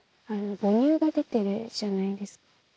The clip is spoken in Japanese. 母乳が出てるじゃないですか。